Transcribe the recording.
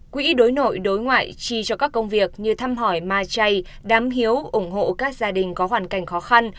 quỹ đối nội đối ngoại chi cho các công việc như thăm hỏi ma chay đám hiếu ủng hộ các gia đình có hoàn cảnh khó khăn